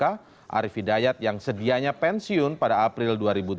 arief hidayat yang sedianya pensiun pada april dua ribu tujuh belas